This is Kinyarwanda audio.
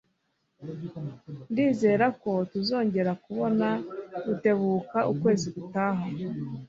Ndizera ko tuzongera kubona Rutebuka ukwezi gutaha.